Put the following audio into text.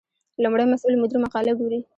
لومړی مسؤل مدیر مقاله ګوري.